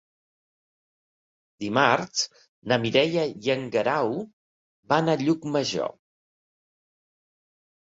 Dimarts na Mireia i en Guerau van a Llucmajor.